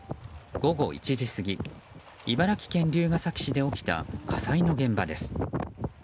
午後１時過ぎ、茨城県龍ケ崎市で起きた火災の現場です。